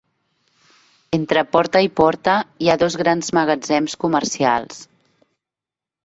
Entre porta i porta hi ha dos grans magatzems comercials.